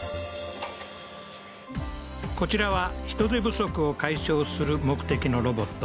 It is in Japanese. こちらは人手不足を解消する目的のロボット